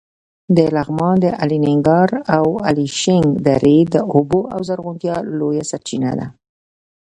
د لغمان د الینګار او الیشنګ درې د اوبو او زرغونتیا لویه سرچینه ده.